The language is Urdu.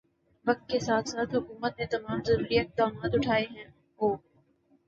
وقت کے ساتھ ساتھ حکومت نے تمام ضروری اقدامات اٹھائے ہیں او